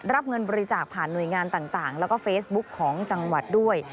รับเงินบริจาคผ่านหน่วยงานต่างแล้วก็เฟซบุ๊กของจังหวัดด้วย